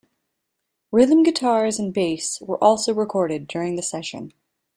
Rhythm guitars and bass were also recorded during the session.